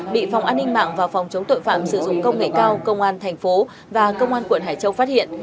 bị phòng an ninh mạng và phòng chống tội phạm sử dụng công nghệ cao công an thành phố và công an quận hải châu phát hiện